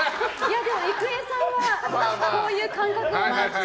でも、郁恵さんはこういう感覚をお持ちだと思う。